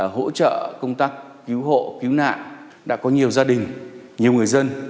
hỗ trợ công tác cứu hộ cứu nạn đã có nhiều gia đình nhiều người dân